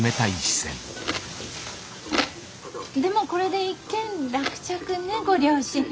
でもこれで一件落着ねご両親。